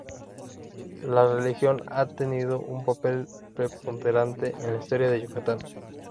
La religión ha tenido un papel preponderante en la historia de Yucatán.